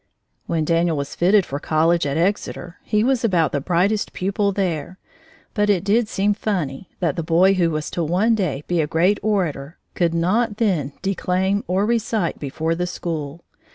When Daniel was fitting for college at Exeter, he was about the brightest pupil there, but it did seem funny that the boy who was to one day be a great orator could not then declaim or recite before the school.